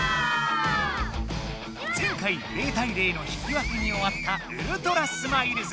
前回０対０の引き分けにおわったウルトラスマイルズ。